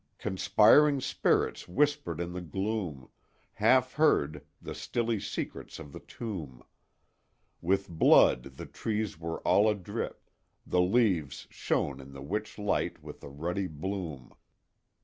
"Conspiring spirits whispered in the gloom, Half heard, the stilly secrets of the tomb. With blood the trees were all adrip; the leaves Shone in the witch light with a ruddy bloom.